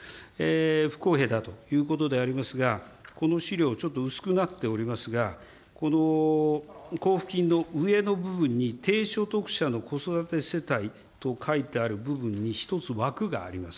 不公平だということでありますが、この資料、ちょっと薄くなっておりますが、この交付金の上の部分に低所得者の子育て世帯と書いてある部分に、１つ枠があります。